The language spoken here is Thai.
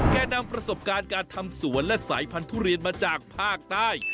นำประสบการณ์การทำสวนและสายพันธุเรียนมาจากภาคใต้